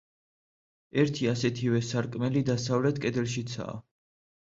ერთი ასეთივე სარკმელი დასავლეთ კედელშიცაა.